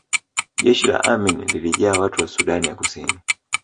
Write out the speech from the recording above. Jeshi la Amin lilijaa watu wa Sudan ya Kusini